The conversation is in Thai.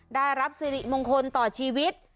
ได้รับสิริมงคลต่อชีวิต